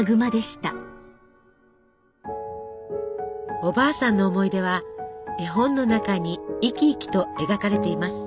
おばあさんの思い出は絵本の中に生き生きと描かれています。